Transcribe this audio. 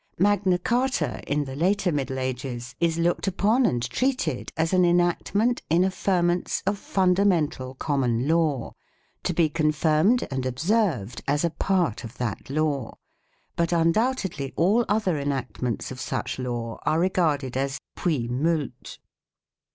Magna Carta, in the later Middle Ages, is looked upon and treated as an enactment in affirmance of fundamental common law, to be confirmed and ob served as a part of that law; but undoubtedly all other enactments of such law are regarded as " puis molt